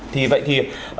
thì vậy thì